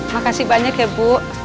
makasih banyak ya bu